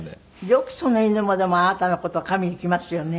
よくその犬もでもあなたの事を噛みに来ますよね。